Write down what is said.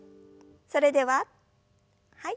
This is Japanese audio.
それでははい。